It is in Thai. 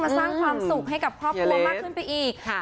สร้างความสุขให้กับครอบครัวมากขึ้นไปอีก